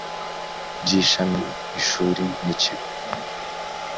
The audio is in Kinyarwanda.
By ishami ishuri n ikigo